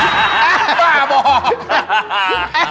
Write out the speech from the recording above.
บ้าบอก